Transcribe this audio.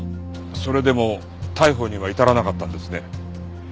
それでも逮捕には至らなかったんですね。